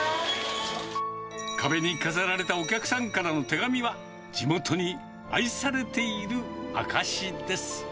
壁に飾られたお客さんからの手紙は、地元に愛されている証しです。